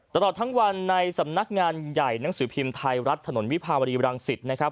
ตลอดทั้งวันในสำนักงานใหญ่หนังสือพิมพ์ไทยรัฐถนนวิภาวดีรังสิตนะครับ